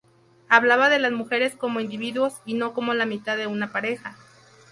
Hablaba de las mujeres como individuos y no como la mitad de una pareja.